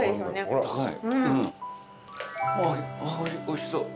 おいしそう。